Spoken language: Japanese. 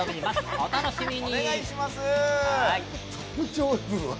お楽しみに。